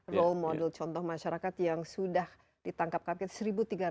role model contoh masyarakat yang sudah ditangkap kaki itu seribu tiga ratus